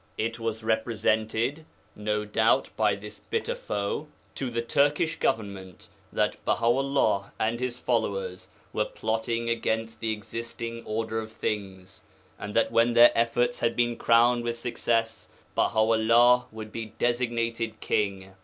It was represented no doubt by this bitter foe to the Turkish Government that Baha 'ullah and his followers were plotting against the existing order of things, and that when their efforts had been crowned with success, Baha 'ullah would be designated king.